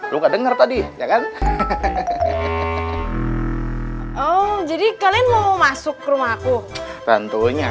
lu nggak denger tadi ya kan oh jadi kalian mau masuk rumahku tentunya